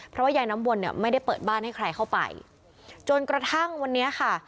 เพราะว่ายายน้ำวนเนี่ยไม่ได้เปิดบ้านให้ใครเข้าไปจนกระทั่งวันนี้ค่ะ